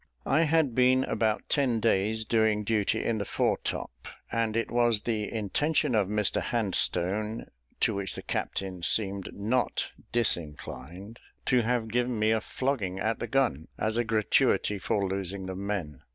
I had been about ten days doing duty in the fore top, and it was the intention of Mr Handstone, to which the captain seemed not disinclined, to have given me a flogging at the gun, as a gratuity for losing the men.